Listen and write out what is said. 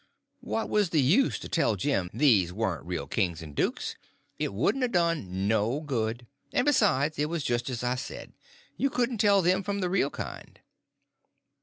What was the use to tell Jim these warn't real kings and dukes? It wouldn't a done no good; and, besides, it was just as I said: you couldn't tell them from the real kind.